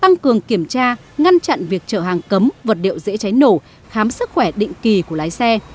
tăng cường kiểm tra ngăn chặn việc chở hàng cấm vật điệu dễ cháy nổ khám sức khỏe định kỳ của lái xe